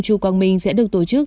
chu quang minh sẽ được tổ chức